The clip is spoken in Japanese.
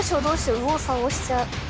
右往左往しちゃう。